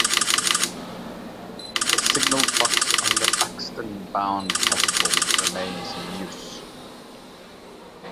The signal box on the Buxton-bound platform remains in use.